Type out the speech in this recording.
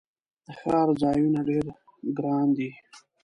د ښار ځایونه ډیر ګراندي